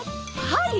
はい！